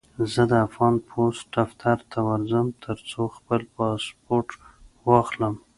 زه د افغان پوسټ دفتر ته ورځم، ترڅو خپل پاسپورټ واخلم.